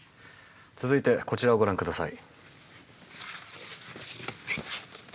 続いてこちらをご覧下さい。